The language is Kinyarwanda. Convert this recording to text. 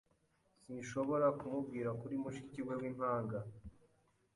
Sinshobora kumubwira kuri mushiki we w'impanga.